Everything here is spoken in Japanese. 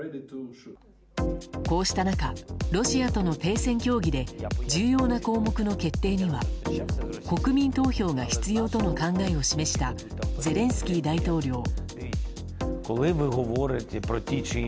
こうした中ロシアとの停戦協議で重要な項目の決定には国民投票が必要との考えを示したゼレンスキー大統領。